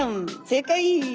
正解。